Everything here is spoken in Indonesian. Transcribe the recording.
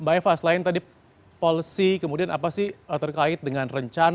mbak eva selain tadi mengatakan bahwa kita harus mengatur tentang food waste